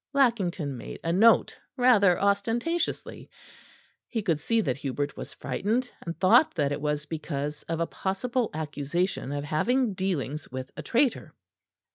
Lackington made a note rather ostentatiously; he could see that Hubert was frightened, and thought that it was because of a possible accusation of having dealings with a traitor.